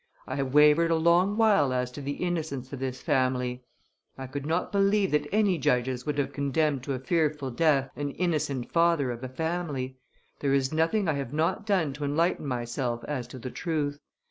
I have wavered a long while as to the innocence of this family; I could not believe that any judges would have condemned to a fearful death an innocent father of a family. There is nothing I have not done to enlighten myself as to the truth.